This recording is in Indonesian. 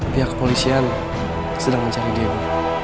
pihak kepolisian sedang mencari diri